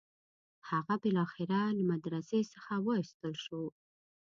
هغه بالاخره له مدرسې څخه وایستل شو.